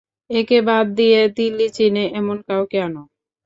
একে বাদ দিয়ে দিল্লি চিনে এমন কাউকে আনো।